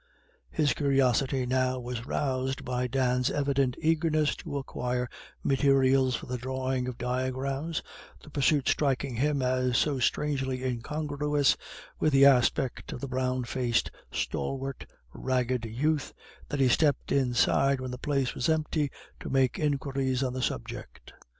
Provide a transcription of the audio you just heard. His curiosity now was roused by Dan's evident eagerness to acquire materials for the drawing of diagrams, the pursuit striking him as so strangely incongruous with the aspect of the brown faced stalwart ragged youth, that he stepped inside when the place was empty to make inquiries on the subject.